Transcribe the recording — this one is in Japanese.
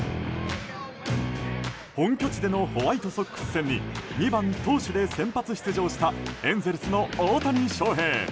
本拠地でのホワイトソックス戦に２番投手で先発出場したエンゼルスの大谷翔平。